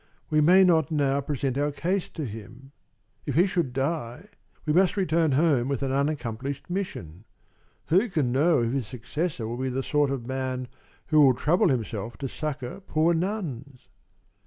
We may not now present our case to him. If he should die, we must return home with an unaccomplished mission. Who can know if his successor will be the sort of man who will trouble himself to succor poor nuns?"